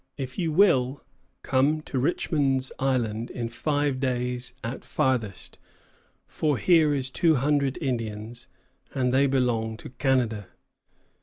If you will, come to Richmond's Island in 5 days at farthest, for here is 200 Indians, and they belong to Canada.